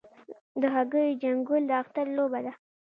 د هګیو جنګول د اختر لوبه ده.